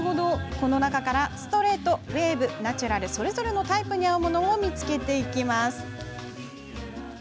この中から、ストレートウエーブ、ナチュラルそれぞれのタイプに合うものを見つけていきます。